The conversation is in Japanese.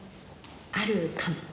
あるかも。